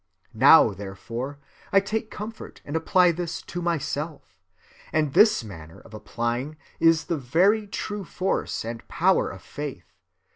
Now, therefore, I take comfort and apply this to myself. And this manner of applying is the very true force and power of faith.